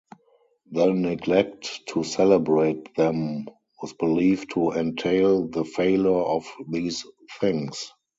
The neglect to celebrate them was believed to entail the failure of these things.